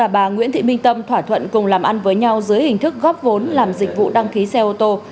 bà nguyễn thị minh tâm thỏa thuận cùng làm ăn với nhau dưới hình thức góp vốn làm dịch vụ đăng ký xe ô tô